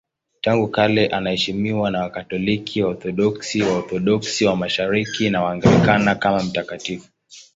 Tangu kale anaheshimiwa na Wakatoliki, Waorthodoksi, Waorthodoksi wa Mashariki na Waanglikana kama mtakatifu.